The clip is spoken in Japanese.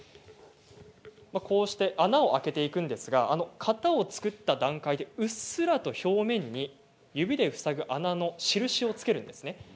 穴を開けていくんですが型を作った段階でうっすらと表面に指で塞ぐ穴の印を付けます。